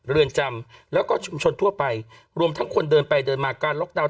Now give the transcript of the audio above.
เรือนจำแล้วก็ชุมชนทั่วไปรวมทั้งคนเดินไปเดินมาการล็อกดาวน